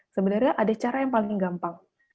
sebenarnya ada cara yang paling gampang